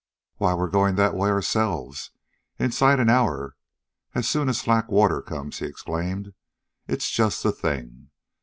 "Why, we're going that way ourselves, inside an hour, as soon as slack water comes," he exclaimed. "It's just the thing.